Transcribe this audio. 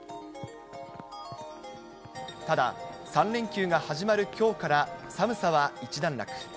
ただ、３連休が始まるきょうから、寒さは一段落。